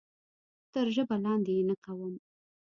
تر ژبه لاندې یې نه کوم.